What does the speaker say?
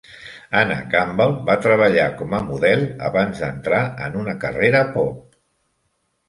Anna Kumble va treballar com a model abans d'entrar en una carrera pop.